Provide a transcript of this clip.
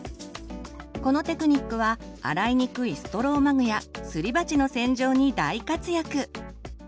このテクニックは洗いにくいストローマグやすり鉢の洗浄に大活躍！